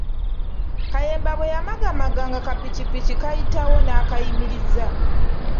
Kayemba bwe yamagamaga ng’akapiki kayitawo n’akayimiriza.